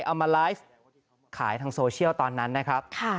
เอามาไลฟ์ขายทางโซเชียลตอนนั้นนะครับ